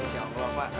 ya allah pak